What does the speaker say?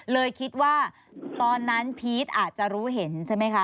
เลยคิดว่าตอนนั้นพีชอาจจะรู้เห็นใช่ไหมคะ